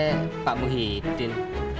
eh pak muhyiddin